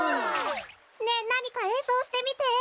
ねえなにかえんそうしてみて。